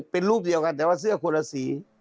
เป็นรูปเดียวกันแต่ว่าเสื้อคนละสี